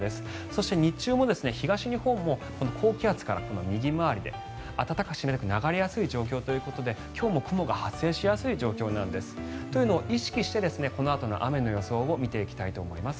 そして日中も東日本も高気圧から右回りで暖かく湿った空気が流れやすいということで今日も雲が発生しやすい状況なんです。というのを意識してこのあとの雨の予想を見ていきたいと思います。